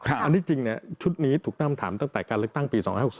อันนี้จริงชุดนี้ถูกตั้งคำถามตั้งแต่การเลือกตั้งปี๒๕๖๒